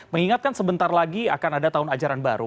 mengingatkan sebentar lagi akan ada tahun ajaran baru